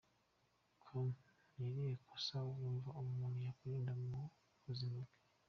com:Ni irihe kosa wumva umuntu yakwirinda mu buzima bwe?.